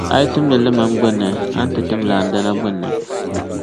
A yi timdi limam gbin’ ni a ni ti tim landana gbin’ ni.